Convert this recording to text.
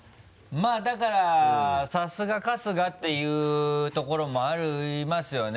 まぁだからさすが春日っていうところもありますよね。